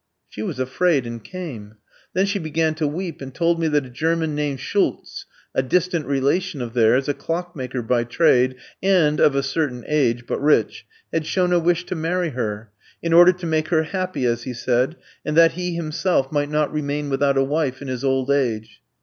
She was afraid and came. Then she began to weep, and told me that a German named Schultz, a distant relation of theirs, a clockmaker by trade, and of a certain age, but rich, had shown a wish to marry her in order to make her happy, as he said, and that he himself might not remain without a wife in his old age.